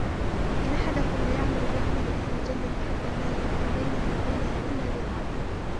إِنَّ أَحَدَكُمْ لَيَعْمَلُ بِعَمَلِ أَهْلِ الْجَنَّةِ حَتَّى مَا يَكُونَ بَيْنَهُ وَبَيْنَهَا إِلاَّ ذِرَاعٌ